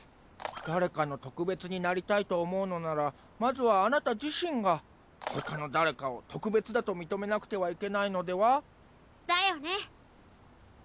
誰かの特別になりたいと思うのならまずはあなた自身が他の誰かを特別だと認めなくてはいけないのでは？だよね！